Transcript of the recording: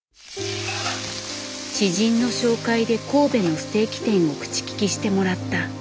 知人の紹介で神戸のステーキ店を口利きしてもらった。